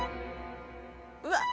うわっ。